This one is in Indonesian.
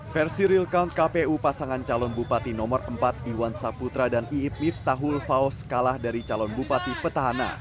versi real count kpu pasangan calon bupati nomor empat iwan saputra dan iit miftahul faos kalah dari calon bupati petahana